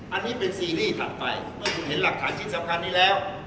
อันนี้เป็นซีรีส์ถัดไปเมื่อคุณเห็นหลักฐานชิ้นสำคัญนี้แล้ว